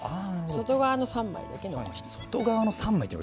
外側の３枚だけ残してください。